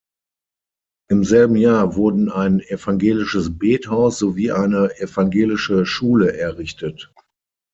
Im selben Jahr wurden ein evangelisches Bethaus sowie eine evangelische Schule errichtet.